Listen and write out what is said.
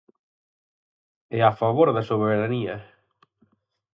E a favor da soberanía!